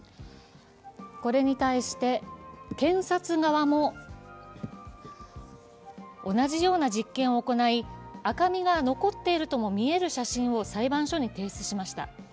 これに対して、検察側も同じような実験を行い赤みが残っているとも見える写真を裁判所に提出しました。